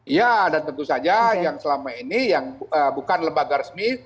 ya dan tentu saja yang selama ini yang bukan lembaga resmi